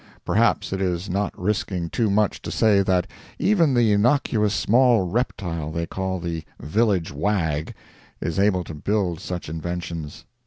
Perhaps it is not risking too much to say that even the innocuous small reptile they call the "village wag" is able to build such inventions...